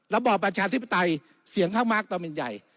ระบอบประชาธิปไตยเสียงข้างมากตอนเป็นใหญ่